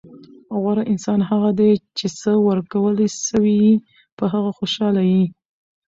غوره انسان هغه دئ، چي څه ورکول سوي يي؛ په هغه خوشحال يي.